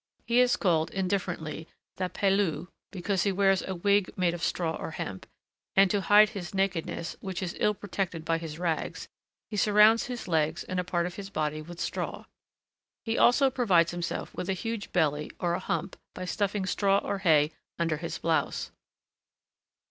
He is called, indifferently, the pailloux, because he wears a wig made of straw or hemp, and, to hide his nakedness, which is ill protected by his rags, he surrounds his legs and a part of his body with straw. He also provides himself with a huge belly or a hump by stuffing straw or hay under his blouse.